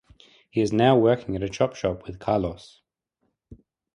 He is now working at a chop shop with Carlos.